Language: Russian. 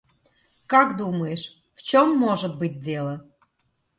Как думаешь, в чём может быть дело?